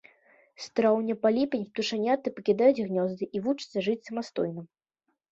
З траўня па ліпень птушаняты пакідаюць гнёзды і вучацца жыць самастойна.